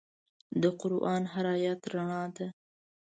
د قرآن هر آیت رڼا ده.